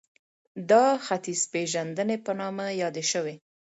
دا ختیځپېژندنې په نامه یادې شوې